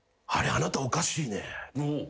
あなたおかしいね」